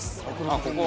あっここ。